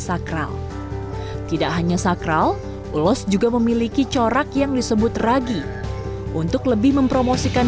sakral tidak hanya sakral ulos juga memiliki corak yang disebut ragi untuk lebih mempromosikan